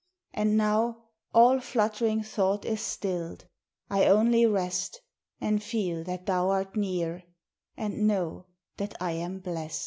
and now All fluttering thought is stilled, I only rest, And feel that thou art near, and know that I am blest.